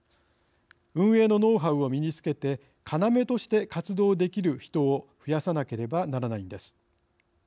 運営のノウハウを身につけて要として活動できる人を増やさなければならないのです。